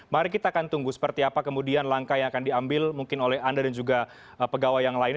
mari kita akan tunggu seperti apa kemudian langkah yang akan diambil mungkin oleh anda dan juga pegawai yang lainnya